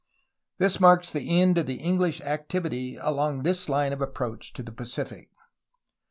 This marks the end of English activity along this line of approach to the Pacific.